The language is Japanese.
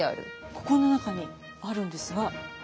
ここの中にあるんですが。